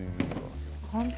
簡単。